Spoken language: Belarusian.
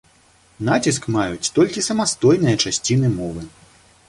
Націск маюць толькі самастойныя часціны мовы.